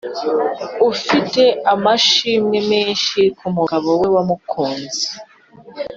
ufite amashimwe menshi ku mugabo we wamukunze